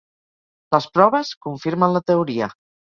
Les proves confirmen la teoria.